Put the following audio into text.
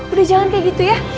udah jangan kayak gitu ya